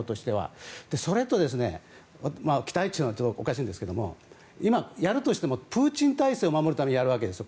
それと、期待値というとおかしいですが今、やるとしてもプーチン体制を守るためにやるわけです。